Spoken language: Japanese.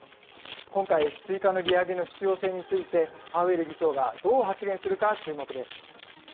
今回、追加の利上げの必要性について、パウエル議長がどう発言するか注目です。